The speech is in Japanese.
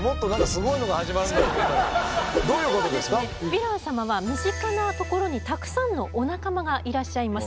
ヴィラン様は身近なところにたくさんのお仲間がいらっしゃいます。